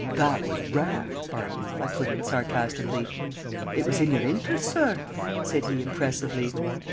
"That was rash, Barney," I put in, sarcastically. "It was in your intherest, sorr," said he, impressively.